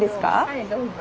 はいどうぞ。